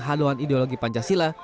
haluan ideologi pancasila